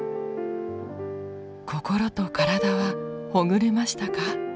心と体はほぐれましたか？